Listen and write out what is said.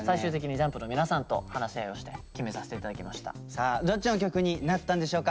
さあどっちの曲になったんでしょうか。